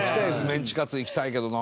メンチカツいきたいけどな。